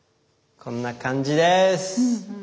こんな感じです。